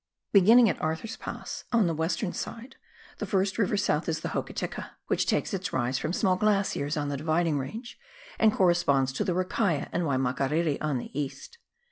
O Begrmnins: at Arthur's Pass on the western side, the first river south is the Hokitika, which takes its rise from small glaciers on the dividing range, and corresponds to the Rakaia and Waimakariri on the east.